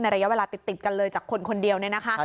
ในระยะเวลาติดกันเลยจากคนคนเดียว